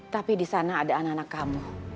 tapi di sana ada anak anak kamu